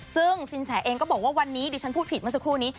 ซึ่งสินแสเองก็บอกว่าวันนี้ดิฉันพูดผิดเมื่อสักครู่นี้